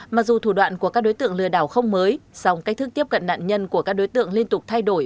mặc dù thủ đoạn của các đối tượng lừa đảo không mới song cách thức tiếp cận nạn nhân của các đối tượng liên tục thay đổi